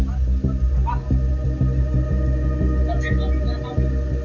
สาธิติกครับครับ